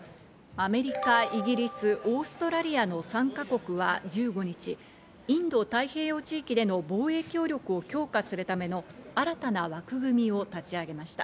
アメリカ、イギリス、オーストラリアの３か国は１５日、インド太平洋地域での防衛協力を強化するための新たな枠組みを立ち上げました。